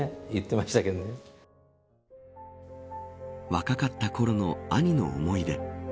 若かったころの兄の思い出。